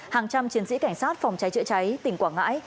hàng trăm chiến sĩ cảnh sát phòng cháy chữa cháy tỉnh quảng ngãi